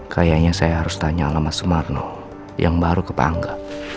kayaknya saya harus tanya alamat semarno yang baru ke pangga